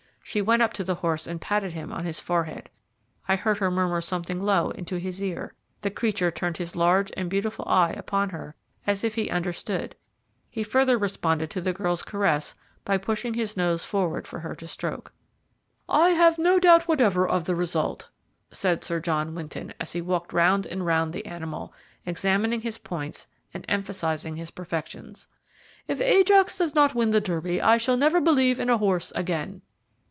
She went up to the horse and patted him on his forehead. I heard her murmur something low into his ear. The creature turned his large and beautiful eye upon her as if he understood; he further responded to the girl's caress by pushing his nose forward for her to stroke. "I have no doubt whatever of the result," said Sir John Winton, as he walked round and round the animal, examining his points and emphasizing his perfections. "If Ajax does not win the Derby, I shall never believe in a horse again."